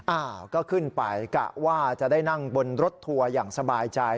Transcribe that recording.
อ้าวก็ขึ้นไปกะว่าจะได้นั่งบนรถทัวร์อย่างสบายใจ